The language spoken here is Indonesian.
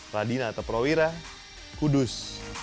radina ataprawira kudus